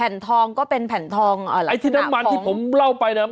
ทองก็เป็นแผ่นทองอะไรไอ้ที่น้ำมันที่ผมเล่าไปน่ะ